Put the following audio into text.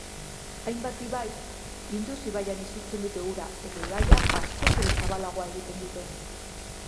Hainbat ibaik Indus ibaian isurtzen dute ura eta ibaia askoz ere zabalagoa egiten dute.